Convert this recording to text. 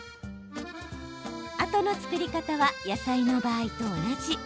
あとの作り方は野菜の場合と同じ。